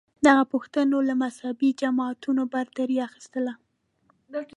دغو پوښتنو له مذهبې جماعتونو برتري اخیستله